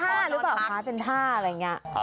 เป็นธ่าหรือเปล่าเป็นธ่าอะไรอย่างนั้น